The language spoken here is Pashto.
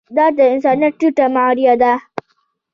دا د انسانيت ټيټ معيار دی.